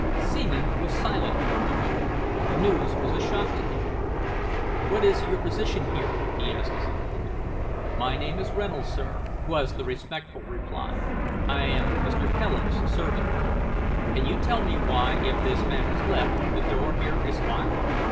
Seaman was silent for a moment. The news was a shock to him. "What is your position here?" he asked his informant. "My name is Reynolds, sir," was the respectful reply. "I am Mr. Pelham's servant." "Can you tell me why, if this man has left the door here is locked?"